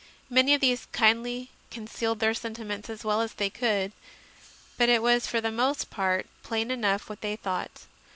Many of these kindly concealed their sentiments as well as they could, but it was for the most part plain enough what they thought.